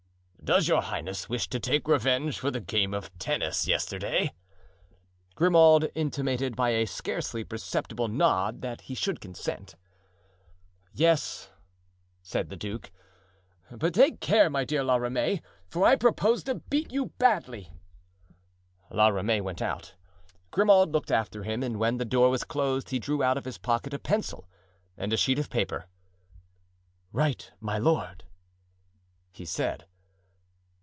"Does your highness wish to take revenge for the game of tennis yesterday?" Grimaud intimated by a scarcely perceptible nod that he should consent. "Yes," said the duke, "but take care, my dear La Ramee, for I propose to beat you badly." La Ramee went out. Grimaud looked after him, and when the door was closed he drew out of his pocket a pencil and a sheet of paper. "Write, my lord," he said.